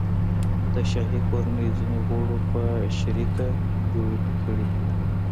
د شاهي کورنۍ ځینو غړو په شریکه جوړې کړي.